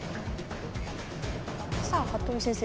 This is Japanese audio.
さあ服部先生。